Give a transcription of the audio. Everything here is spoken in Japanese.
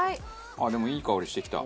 でもいい香りしてきた。